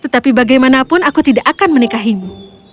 tetapi bagaimanapun aku tidak akan menikahimu